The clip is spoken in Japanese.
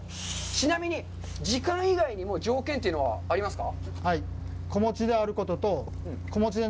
ちなみに、時間以外にも条件というのはありますか？